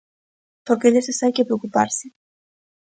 Porque deses hai que preocuparse.